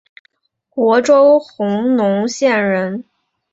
虢州弘农县人。